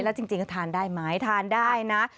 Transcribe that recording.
แล้วจริงทานได้ไหมทานได้นะ